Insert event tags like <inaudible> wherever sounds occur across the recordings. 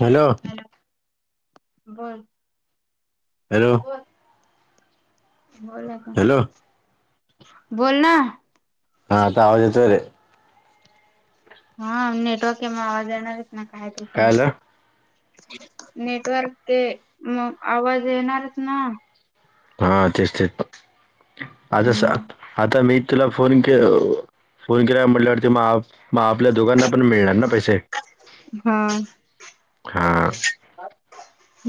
Hello बर hello बोला का हॅलो बोलोल ना हा आता आवाज येतोय रे हा नेटवर्कम आवाज येणारच ना काय तू पण नेटवर्क ते मग आवाज येणारच ना हा तेच तेच आता मग आता मी तला फोन फोन केला म्हट आपल्या दोघांना पण मिळणार ना पैसे हा हा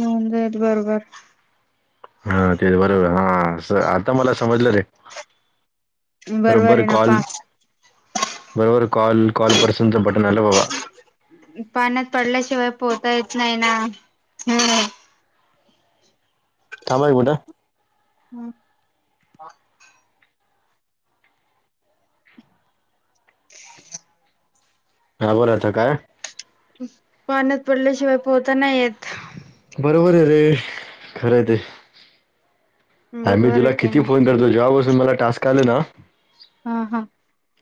नंदेत बर बर हा तेच बरोबर हा आता मला समजलं रे बरोबर आहे ना पा बरोबर कॉल कॉलपर्सूनचा बटन आला ववा पाण्यात पडल्याशिवाय पोहता येत नाही ना कामाय बुट हम्म ममयय ह बोलाता काय पाण्यात पडल्याशिवाय पोहताना येत बरोबर आहे खरं ते आ मही बरोबर आहे तुला की किती नाही फोन करतो जबत त मला टास्क आले ना हम् हम्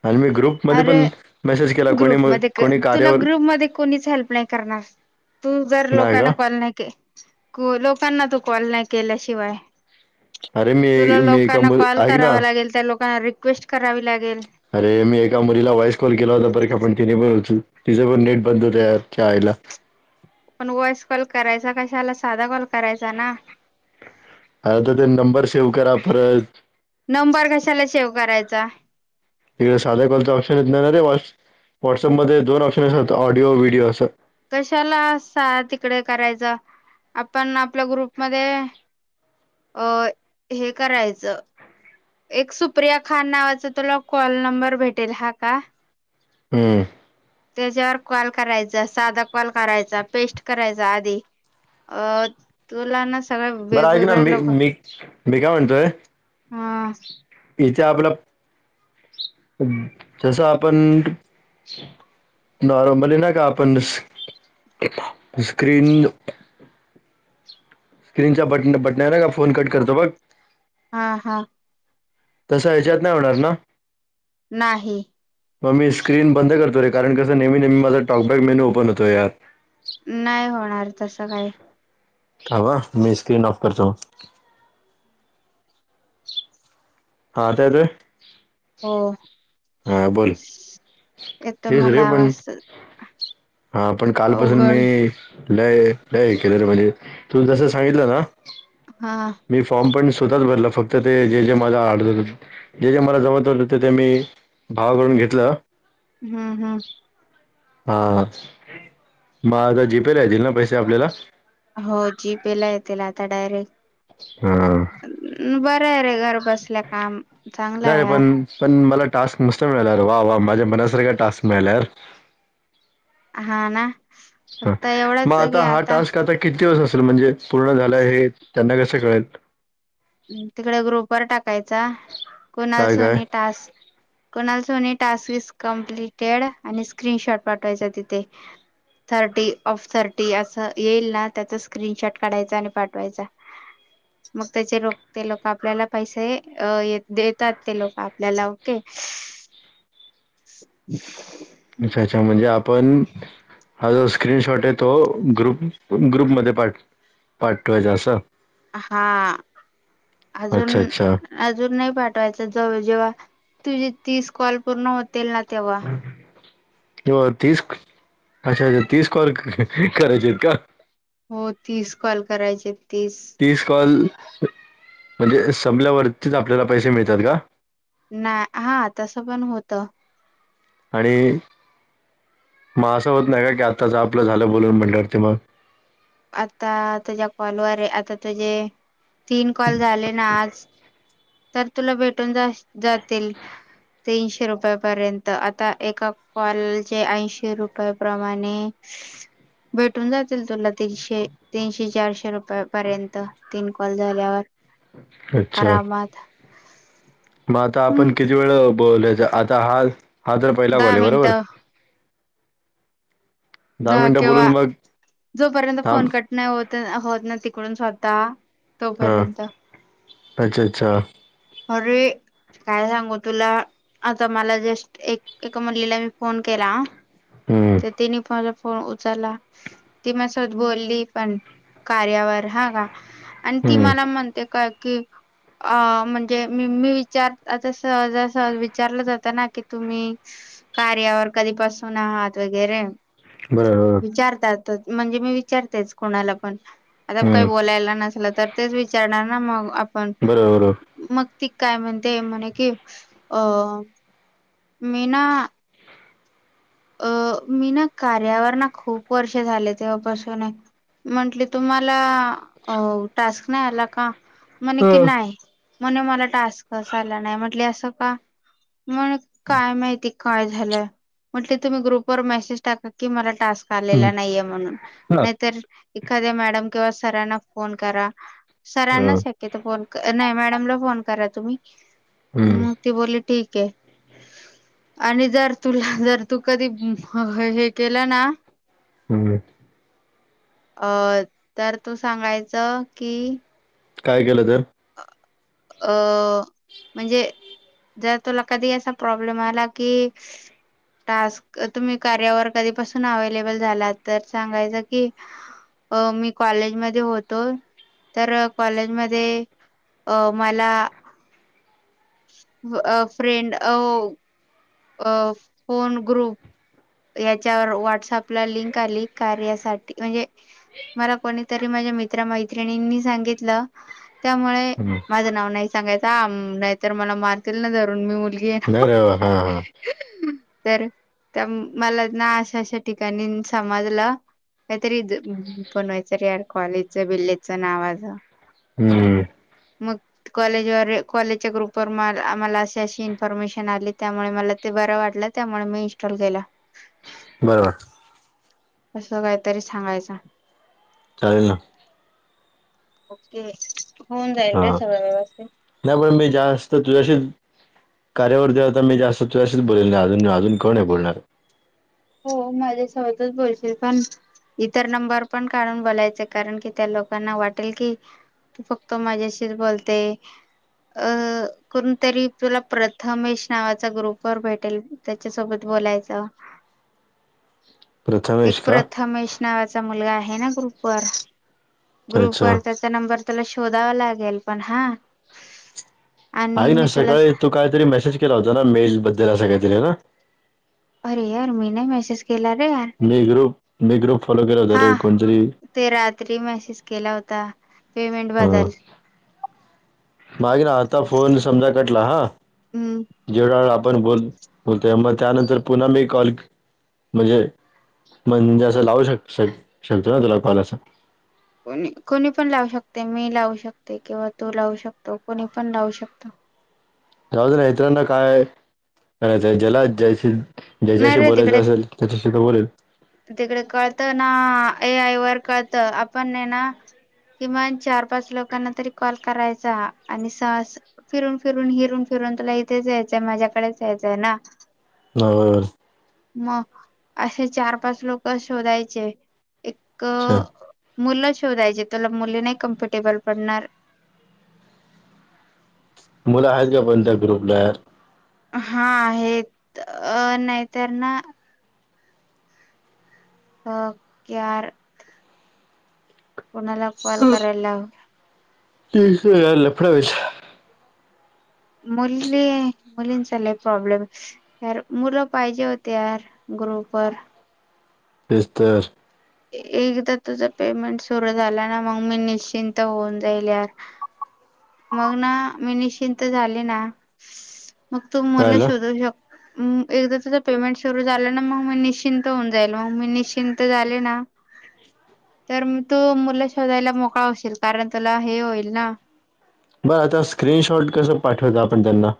आणि मी ग्रुपमध्ये अरे पण मेसेज केला कोणी ग्रुप मग म कोणी तुला कार्यावर ग्रुप म कोणीच हेल्प नाही करणार ब तू जर नाही का? लोकांना कॉल नाही के लोकांना तू कॉल नाही केल्याशिवाय अरे मी तुला मी एका लोकांना मुली कॉल ऐक ना करावा लागेल त्या लोकांना रिक्वेस्ट करावी लागेल अरे मी एका मुलीला व्हॉइस कॉल केला होता बर का आपण तिने बोल पण नीट बंद होते च आईला पण वॉइस कॉल करायचा कशाला साधा कॉल करायचा ना आ आता ते नंबर सेव्ह करा परत नंबर कशाला सेव्ह करायचा तिकडे साध्या कॉल ऑप्शन येतणार रेटस व्हॉट्सअपमध्ये दोन ऑप्शन असात ऑडिओ व्हिडिओ असं कशाला तिकडे करायचा आपण आपल्या ग्रुपमध्ये अ हे करायचं एक सुप्रिया खान नावाचा तुला कॉल नंबर भेटेल हा का हम्म त्याच्यावर कॉल करायचा साधा कॉल करायचा पेस्ट करायचा आधी अ तुलाना बरं आहेऐक ना मी मी मी काय म्हणतोय ह इथे आपलं जसं आपण नॉर्मली ना का आपण स्क्रीन स्क्रीनच्या बट बटन आहे ना का फोन कट करतो बघ हा हा तसं याच्यात नाय होणार ना? नाही! मग मी स्क्रीन बंद करतो रे कारण कस नेहमी नेहमी माझा टॉकबॅगमेन्यू ओपन होतोय यात. नाही होणार तसं काय. थांब हा मी स्क्रीन ऑफ करतो. हा ते दे. हो येतो तेच मला रे पण आवाज. हा पण कालपासून अवघड मी लय लय केलेलं म्हणजे तू जसं सांगितलं ना हा मी फॉर्म पण स्वतःच भरल फक्त ते जे जे माझ आडनाव जे जे मला जमत ते मी भाव कडून घेतलं. हम् हम् हा मग आता जीपेला येतील ना पैसे आपल्याला. हो जीपेला येतील आता डायरेक्ट हा बरं आहे रे घर बसल्या काम चागलं नाही रे, आहे. पण पण मला टास्क मस्त मिळाल्या वा वा माझ्या मनासारखा टास्क मिळाल्यावर हा ना! ह फक्त मग एवढंच की आता हा टास्क आता किती दिवस असत? म्हणजे पूर्ण झालं हे त्यांना कस कळेल? तिकडे ग्रुप वर टाकायचा कुणाल काय काय सोनी टास्क कोणाला सने टास्कस कमप्लिटेड आणि स्क्रीनशॉट पाठवायचा तिथे थर्टी ऑफ थर्टी असं येईल ना त्याचा स्क्रीनशॉट काढायचा आणि पाठवायचा. मग त्याचे रोप ते लोक आपल्याला पैसे ये देतात ते लोक आपल्याला ओके. <inaudible> अच्छा अच्छा म्हणजे आपण हा जो स्क्रीनशॉट आहे तो ग्रुप ग्रुपमध्ये पाठ पाठवायचा असा? हा अजून अच्छा अच्छा अजून नाही पाठवायच जव जेव्हा तुझे तीस कॉल पूर्ण होतील ना तेव्हा. हो तीस अच्छा अच्छा तीस कॉल करायचे आहेत का? हो तीस कॉल करायचेत. तीस कॉल म्हणजे संपल्यावरतीच आपल्याला पैसे मिळतात का? नाय हा, तसं पण होत. आणि मग असं होत नाय का की आताच आपलं झालं बोलून म्हटलं ते मग? आता तुझ्या कॉलवरय आता तुझे तीन कॉल झाले ना आज तर तुला भेटून जास जातील. तीनशे रुपयापर्यंत आता एका कॉलचे ऐंशी रुपयाप्रमाणे <inaudible> भेटून जातील तुला. तीनशे तीनशे चारशे रुपये पर्यंत तीन कॉल झाल्यावर. अच्छा आरामात मग आता आपण हम्म किती वेळ बोलायचय आता हा हा तर पहिला दहा कॉलय बरोबर. मिनिटं दहा मिनिट बोलून मग जो पर्यंत थांब फोन कट नाय होत होत ना तिकडून स्वतः हा तोपर्यंत. अच्छा अच्छा. अरे काय सांगू तुला आता मला जस्ट एक एका मुलीला मी फोन केला. हम्म तर तिने माझा फ न उचलला ती माझ्यासोबत बोलली पण कार्यावर हा का? आणि ती हम्म मला म्हणते का की आ म्हण मी मी विचार आता सहजासहजी विचारलं जातं ना की तुम्ही कार्यावर कधीपासून आहात वगैरे. बरोबर. विचारतातच म्हणजे मी विचारतेच कोणाला पण आता काही हम्म बोलायला नसल तर तेच विचारणार ना मग आ बरोबरय. मग ती काय म्हणते म्हणे कि अ मी ना अ मी ना कार्यावरणा खूप वर्ष झाले तेव्हापासूनय. म्हंटले तुम्हाला अ टास्क नाही आला का? म्हणे हा, की नाही म्हणे मला टास्कच आला नाही म्हटले असं का? मण काय माहिती काय झालंय? म्हटले तुम्ही ग्रुपवर मेसेज टाका की मला टास्क हम्म आलेला नाहीये म्हणून हा नाहीतर एखाद्या मॅडम किंवा सरांना फोन करा हा सरांना शक्यतो फोन नाही मॅडमला फोन करा तुम्ही हम्म म ती बोलली ठीक आहे आणि जर तुला जर तू कधी ह ह हे केलं ना हम्म अं तर तू सांगायच कि काय केलं तर? अ म्हणजे जर तुला कधी असा प्रॉब्लेम आला की टास्क तुम्ही कार्यावर कधीपासून अवेलेबल झाला तर सांगायच की अ मी कॉलेजमध्ये होतो. तर कॉलेजमध्ये अ मला अ फ्रेंड हव अ फोन ग्रुप याच्यावर व्हॉट्सअपला लिंक आली कार्यासाठी. म्हणजे- मला कोणीतरी माझ्या मित्र मैत्रिणींनी सांगितलं. त्यामुळे हम्म. माझं नाव नाही सां- सांगायचा नाहीतर मला मारतील ना धरुन मी मुलगी आहे नाही रे बा. हा हा <unintelligible> ना. तर- त्या मला ना अशा अशा ठिकाणीन समजलं- काहीतरी पणवा्हायच <unintelligible> र यार कॉलेजच बिल्लेजचं नावाझ- ह <unintelligible> मग कॉलेजवर कॉलेजच्या ग्रुप व आम्हाला अशी अशी इन्फॉर्मेशन आली त्यामुळे मला त - बर वाटलं त्यामुळे मी इनस्टॉल केल. बरोबर अस काहीतरी सांगायच. चालेल ना. ओके. होऊन जाईल रे सगळं व्यवस्थित. ज्यावेळी मी जास्त तुझ्याशीच- कार्यावरती आता मी जास्त तुझ्याशीच बोलल ना? अजून अजून कोण आहे बोलणार? हो माझ्यासोबतच बोलशील. - पण इतर नंबर पण काढून बोलायच, कारण कि त्या लोकांना वाटेल की- तू फक्त माझ्याशीच बोलतोय - अ कोण तरी तुला प्रथमेश नावाचा ग्रुपवर भेटेल त्याच्या सोबत बोल - बोलायच. एक प्रथमेश का प्रथमेश नावाचा मुलगा आहे ना ग्रुपवर? ग्रुप अच्छा वर त्याचा नंबर तुला शोधावा लागेल पण हा? आणि आहे ना मी तुला सकाळी तू काहीतरी मेसेज केला होता ना? मेल बद्दल अस काहीतरी ना? अरे यार मी नाही मेसेज- केला रे <unintelligible> मी ग्रुप मी ग्रुप फॉलो केला होता हा रे कोणतरी ते रात्री मसेज केला होता. ता. हा. मागे ना आता फोन समजा कटला हा- हम्म जेवढा वेळ आ - पण बोल बोलतोय. मग त्यानंतर पुन्हा मी कॉल म्हणजे- म्हणजे असं लावू शक शकतो ना? तुला कॉल अस. कोणी. कोणी पण लावू शकते मी लावू शकते किंवा तू लावू शकतो. कोणी पण लावू शकतो. त्यावज इत्रांना काय जला जयशील. नाही ज्याच्याशी रे बोलायच तिकडे असेल त्याच्याशी तर बोल- तिकडे कळत ना, ए आय वर कळत आपणए ना- किमान चार पाच लोकांना तरी कॉल करायचा आणि स फिरून फिरून, हिरून फिरून- तुला इथेच यायचंय. माझ्याकडेच यायचंय ना? हो. मग? असे चार पाच लोक शोधायचे. एक- अच्छा मुलं शोधायची. तुला मुली नाही कम्फर्टेबल पडणार. मुलं आहेत का पण त्या ग्रुपला? हा आहेत. अ नाहीतर ना- अ. - कर कोणाला कॉल करायला लाव - त लफडावेस मुली मुलींचा लई प्रॉब्लेम. मुलं पाहिजे होती यार. ग्रुपवर. बघ तर. एकदा तुझं पेमेंट सुरू झाला ना, मग मी निश्चिंत होऊन जाईल यार. मग ना मी निश्चिंत झाली ना मग तू मुला कळालं शोधू शक एकदा तच पेमेंट सुरू झालं ना, मी निश्चिंत होऊन जाईल मग मी निश्चिंत झाले ना, ह <inaudible> तर मग तू मुला शोधायला मोकळा होशील. कारण तुला हे होईल ना, बरं आता स्क्रीनशॉट कसं पाठवत आपण त्यांना?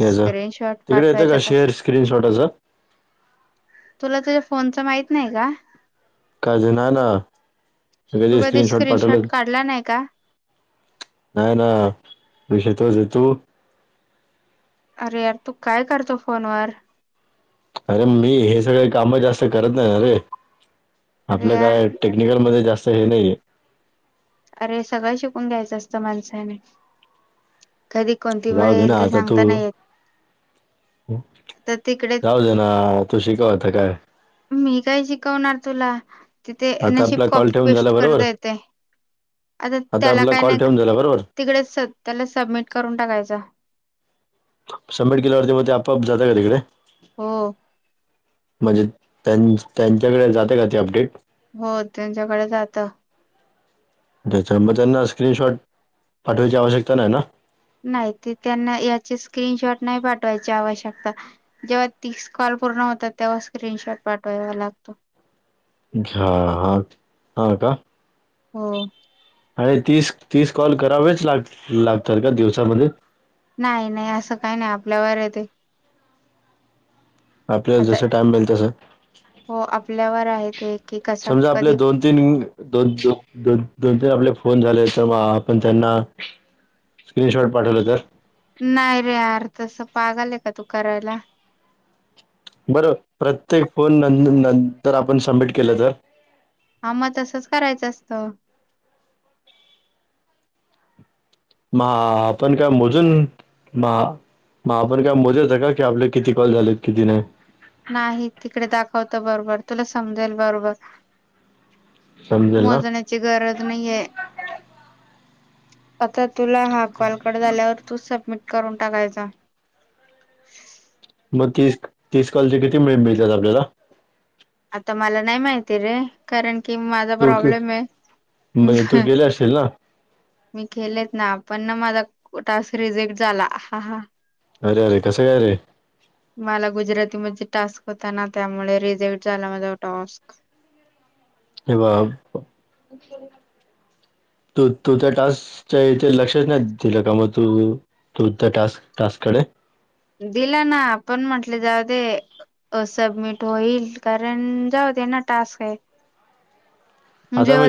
याच स्क्रीनशॉट तिकडे येतं पाठवायचा का कस शेअर स्क्रीनशॉटचा? फोनचं माहित नाही का काझ ना ना, सळग तू ते कधी स्क्रीनशॉट पाठवलं. काढला नाही का नाही ना, विषय तोज तोज हे तो अरे यार तू काय करतो फोनवर? अरे मी हे सगळे काम जास्त करत नाही अरे अरे आपलं यार काय टेक्निकलमध्ये जास्त हे नाहीये. अरे सगळं शिकून घ्यायचं असतं माणसाने कधी कोणती वेळ जाऊ दे येईल ना ते आता तू सांगता नाही येत. तर तिकडे जाऊ दे ना तू शिकवता काय? मी काय शिकवणार तुला तिथे आता नशीब आपला कॉल कॉपी ठेवून पेस्ट झाला बरोबर करता येते आता त्याला आपला काय कॉल नाही ठेवून झाला बरोबर तिकडे त्याला सबमिट करून टाकायचं. सबमीट केल्यावर म ते आपाआप जातय का तिकडे? हो म्हणजे त्यां त्यांच्याकडे जाते का ते अपडेट? हो त्यांच्याकडे जात. त्याच म त्यांना स्क्रीनशॉट पाठवायची आवश्यकता नाही ना, नाही ते त्यांना याचे स्क्रीनशॉट नाही पाठवायचे आवश्यकता जेव्हा तीस कॉल पूर्ण होतात तेव्हा स्क्रीनशॉट पाठवाया लागतो. हा हा हा का. हो. आणि तीस तीस कॉल करावेच लाग लागतात. का दिवसामध्ये? नाही नाही असं काही नाही आपल्यावर हे ते आपल्याला जस टाइम मिळल तस हो आपल्यावर आहे ते की कसा समजा आपले कधी दोन तीन दोनोन शू दोन दोन तीन आपले फोन झाले <unintelligible> तर मग आपण त्यांना स्क्रीनशॉट पाठवलं तर नाही रे यार तस पागलय का तू करायला. बरो प्रत्येक फोन न नंतर आपण सबमिट केलं तर? आ म तसच करायचं असत. मा आपण काय मोजून मा मग आपण काय <unintelligible> मोजच का की आपले किती कॉल झालेत किती नाही. नाही तिकडे दाखवत बरोबर तुला समजेल बरोबर. समजेल ना मोजण्याची गरज नाहीये आता. तुला हा कॉलकट झाल्यावर तू सबमिट करून टाकायचा. तीस तीस कॉलचे किती मिळे मिळतात आपल्याला? तेजे कारण की माझा तू प्रॉब्लेम आहे. म्हणजे तू गेले असशील ना मी खेलेत ना पण ना माझा टास्क रिजेक्ट झाला हा हा. अरे अरे कसं काय रे? मला गुजराती म टास्क होता ना त्यामुळे रिझेक्ट झाला माझा टॉस्क हे बा तू तो त्या टास्क याच्याथ <unintelligible> लक्षच नाही दिलं का म तू तू त्या टास् टास्ककडे दिला ना, आपण म्हटले जाऊ दे सबमिट होईल कारण जाऊ ते ना, टास्क आहे. आता जेव्हा मी तुला